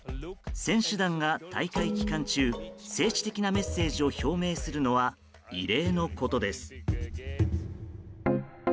選手団が大会期間中政治的なメッセージを表明するのは異例のことです。